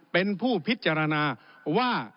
เป็นผู้พิจารณาว่า